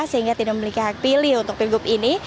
sehingga tidak memiliki hak pilih untuk pilgub ini